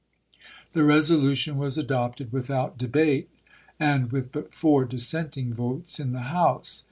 The resolution was adopted without debate and with but four dissenting votes in the House.